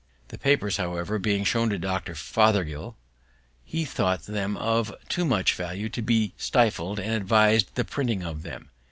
The papers, however, being shown to Dr. Fothergill, he thought them of too much value to be stifled, and advis'd the printing of them.